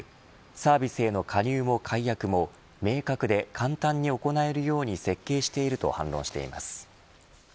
サービスへの加入も解約も明確で簡単に行えるように設計していると反論しています。